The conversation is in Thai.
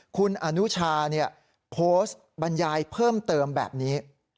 คุณอนุชาโพสต์บรรยายเพิ่มเติมแบบนี้